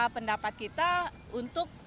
pendapat kita untuk